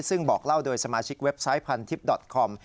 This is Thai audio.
ซึ่งบอกเล่าโดยสมาชิกเว็บไซต์พันทิพย์ดอตคอม